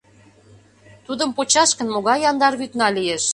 — Тудым почаш гын, могай яндар вӱдна лиеш.